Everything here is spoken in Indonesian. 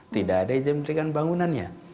tidak ada izin dengan bangunannya